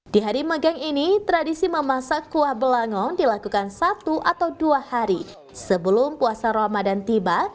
di hari megang ini tradisi memasak kuah belangong dilakukan satu atau dua hari sebelum puasa ramadan tiba